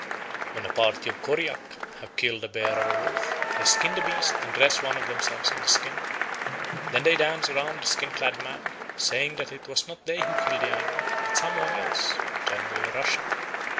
When a party of Koryak have killed a bear or a wolf, they skin the beast and dress one of themselves in the skin. Then they dance round the skin clad man, saying that it was not they who killed the animal, but some one else, generally a Russian.